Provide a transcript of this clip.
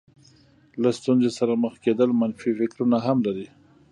له ستونزې سره مخ کېدل منفي فکرونه هم لري.